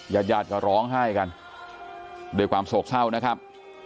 ญาติญาติก็ร้องไห้กันด้วยความโศกเศร้านะครับ